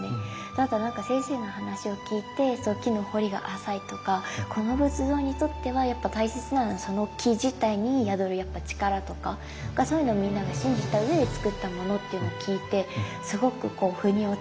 あとはなんか先生の話を聞いて木の彫りが浅いとかこの仏像にとってはやっぱ大切なのはその木自体に宿る力とかそういうのをみんなが信じた上でつくったものっていうのを聞いてすごく腑に落ちましたね。